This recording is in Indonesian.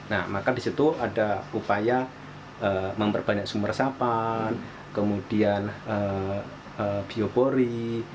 nah maka di situ ada upaya memperbanyak sumber resapan kemudian biopori